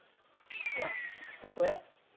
あらどこへ？